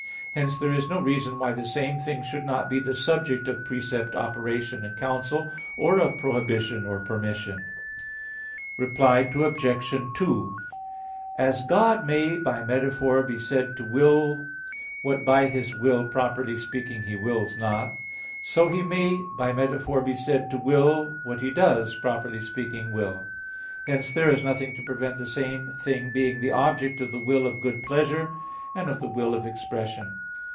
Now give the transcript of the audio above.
Hence there is no reason why the same thing should not be the subject of precept, operation, and counsel; or of prohibition or permission. Reply Obj. 2: As God may by metaphor be said to will what by His will, properly speaking, He wills not; so He may by metaphor be said to will what He does, properly speaking, will. Hence there is nothing to prevent the same thing being the object of the will of good pleasure, and of the will of expression.